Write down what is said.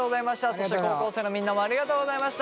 そして高校生のみんなもありがとうございました